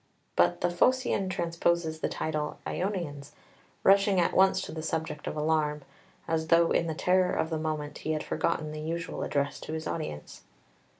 But the Phocaean transposes the title "Ionians," rushing at once to the subject of alarm, as though in the terror of the moment he had forgotten the usual address to his audience.